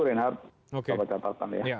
itu reinhardt sahabat catatan ya